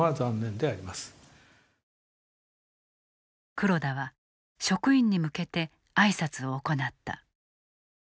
黒田は職員に向けてあいさつを行った。